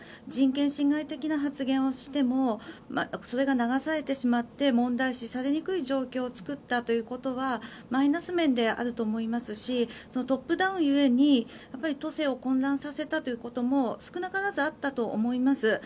人権侵害的な発言をしてもそれが流されてしまって問題視されにくい状況を作ったということはマイナス面であると思いますしトップダウン故に都政を混乱させたということも少なからずあったと思います。